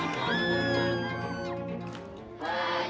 kita yang mencintai